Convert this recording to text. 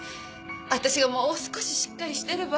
私がもう少ししっかりしてれば。